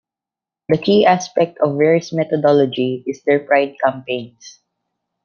The key aspect of Rare's methodology is their "Pride Campaign's".